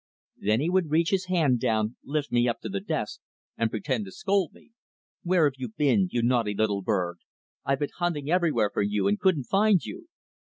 Then he would reach his hand down, lift me up to the desk, and pretend to scold me: "Where have you been, you naughty little bird? I've been hunting everywhere for you, and couldn't find you!"